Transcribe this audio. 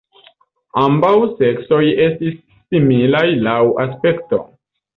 Ambaŭ seksoj estis similaj laŭ aspekto.